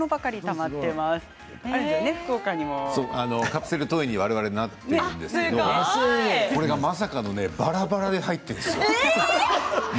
我々がカプセルトイになっているんですけどまさかのばらばらに入っているんですよ。